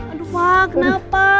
aduh pak kenapa